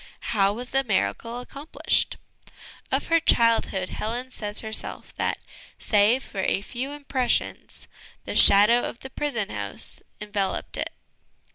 How was the miracle accomplished ? Of her childhood Helen says herself that, save for a few impressions, "the shadows of the prison house " enveloped it.